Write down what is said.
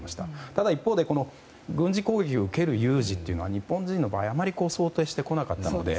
ただ、一方で軍事攻撃を受ける有事というのは日本人の場合、あまり想定してこなかったので。